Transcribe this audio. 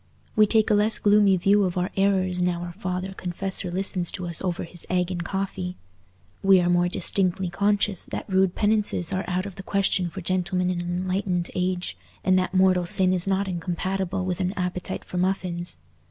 We take a less gloomy view of our errors now our father confessor listens to us over his egg and coffee. We are more distinctly conscious that rude penances are out of the question for gentlemen in an enlightened age, and that mortal sin is not incompatible with an appetite for muffins.